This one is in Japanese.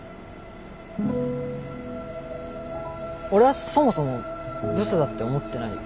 俺はそもそもブスだって思ってないよ。